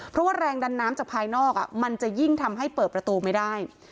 เพราะว่าแรงดันน้ำจากภายนอกมันจะยิ่งทำให้เปิดประตูไม่ได้